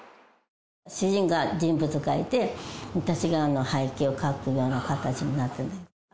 主人が人物描いて、私が背景を描くような形になってね。